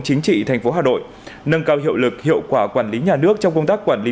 chính trị thành phố hà nội nâng cao hiệu lực hiệu quả quản lý nhà nước trong công tác quản lý